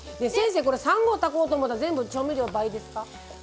３合炊こうと思ったら調味料、倍ですか？